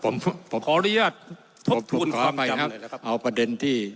ผมขออภัยครับเอาประเด็นที่